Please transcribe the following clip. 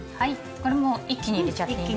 これもう一気に入れちゃっていいですか？